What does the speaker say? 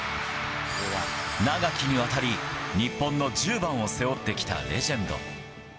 長きにわたり、日本の１０番を背負ってきたレジェンド。